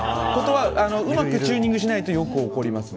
うまくチューニングしないと、よく起こりますね。